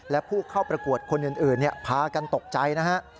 และผู้เข้าประกวดคนอื่นพากันตกใจนะฮะ